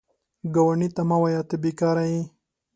ګاونډي ته مه وایه “ته بېکاره یې”